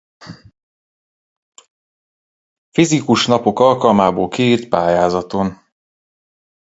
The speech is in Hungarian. Fizikus Napok alkalmából kiírt pályázaton.